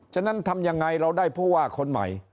ฉะนั้นทำยังไงเราได้ผู้ว่าคนใหม่